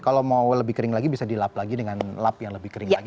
kalau mau lebih kering lagi bisa dilap lagi dengan lap yang lebih kering lagi